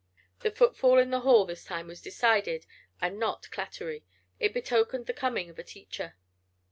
The footfall in the hall this time was decided and not clattery. It betokened the coming of a teacher.